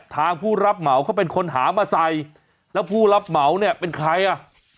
ผู้รับเหมาเขาเป็นคนหามาใส่แล้วผู้รับเหมาเนี่ยเป็นใครอ่ะ